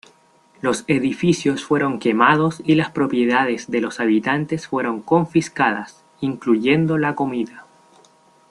Los edificios fueron quemados y las propiedades de los habitantes fueron confiscadas, incluyendo comida.